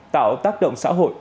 tạo tác động xã hội